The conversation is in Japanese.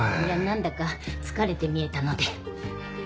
何だか疲れて見えたので。